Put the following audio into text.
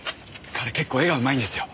彼結構絵が上手いんですよ。